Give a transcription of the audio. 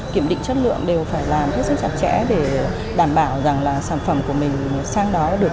kiểm định chất lượng đều phải làm hết sức chặt chẽ để đảm bảo rằng là sản phẩm của mình sang đó được